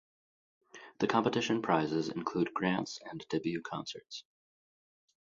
The competition prizes include grants and debut concerts.